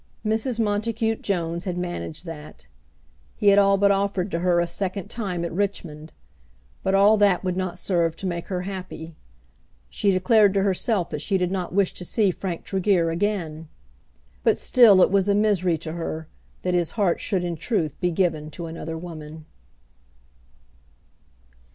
Mrs. Montacute Jones had managed that. He had all but offered to her a second time at Richmond. But all that would not serve to make her happy. She declared to herself that she did not wish to see Frank Tregear again; but still it was a misery to her that his heart should in truth be given to another woman.